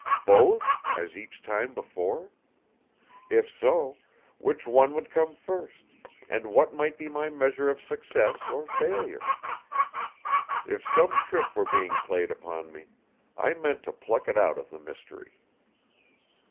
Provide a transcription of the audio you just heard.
Both; as each time before? If so, which one would come first, and what might be my measure of success or failure? If some trick were being played upon me, I meant to pluck it out of the mystery.